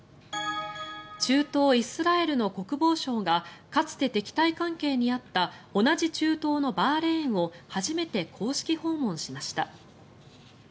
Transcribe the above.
中東イスラエルの国防相がかつて敵対関係にあった同じ中東のバーレーンを初めて公式訪問しました。